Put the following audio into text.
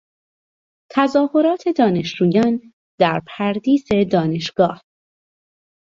تظاهرات دانشجویان در پردیس دانشگاه